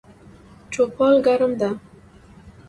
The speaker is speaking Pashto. چوپال ګرم ده